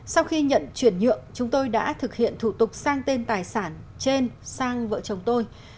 sau khi nhận chuyển nhượng chúng tôi đã thực hiện thủ tục sang tên tài sản trên sang vợ chồng tôi